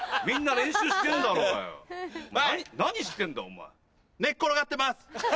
みんな練習してんだろうがよ。